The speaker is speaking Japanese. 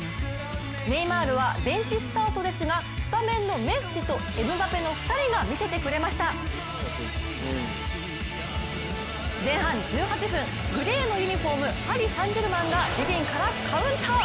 ネイマールはベンチスタートですがスタメンのメッシとエムバペの２人が見せてくれました前半１８分、グレーのユニフォーム、パリ・サン＝ジェルマンが自陣からカウンター。